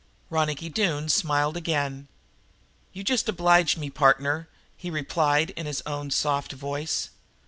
Ronicky Doone smiled again. "You just oblige me, partner," he replied in his own soft voice.